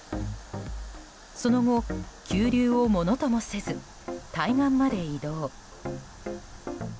その後、急流をものともせず対岸まで移動。